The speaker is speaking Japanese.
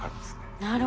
なるほど。